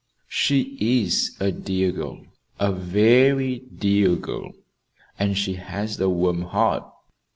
"She is a dear girl a very dear girl; and she has a warm heart."